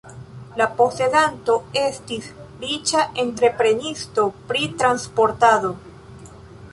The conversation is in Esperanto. Posedanto estis riĉa entreprenisto pri transportado.